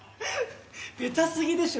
ベタすぎでしょ